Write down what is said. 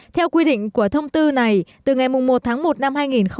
theo quy định của thông tư này từ ngày một tháng một năm hai nghìn hai mươi